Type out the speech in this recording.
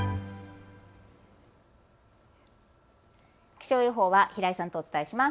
気象予報は平井さんとお伝えします。